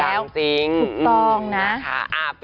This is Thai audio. ถูกต้องนะคะ